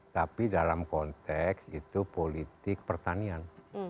tapi dalam konteks itu politik pertanian